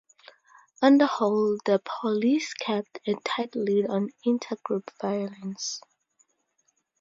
On the whole, the police kept a tight lid on inter-group violence.